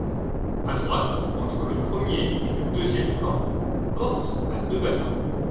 À droite, entre le premier et le deuxième plan, porte à deux battants.